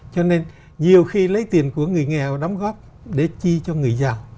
cho nên nhiều khi lấy tiền của người nghèo đóng góp để chi cho người giàu